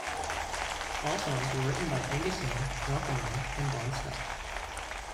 All songs were written by Angus Young, Malcolm Young and Bon Scott.